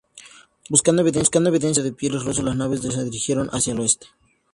Buscando evidencias del comercio de pieles ruso las naves se dirigieron hacia el oeste.